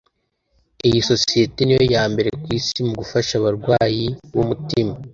Iyi sosiyete niyo ya mbere ku Isi mu gufasha abarwayi b’umutima